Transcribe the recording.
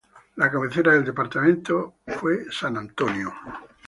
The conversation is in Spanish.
La cabecera del departamento fue San Antonio.